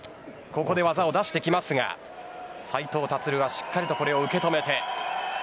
ここで技を出してきますが斉藤立はしっかりとこれを受け止めて。